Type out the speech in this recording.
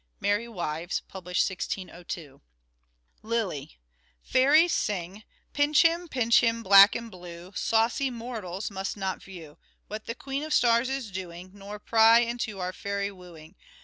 ("Merry Wives," published 1602.) Lyly. Fairies sing :—" Pinch him, pinch him, black and blue, Saucy mortals must not view What the Queen of Stars is doing, Nor pry into our fairy wooing.